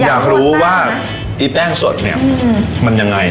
อยากรู้ว่าไอ้แป้งสดเนี่ยมันยังไง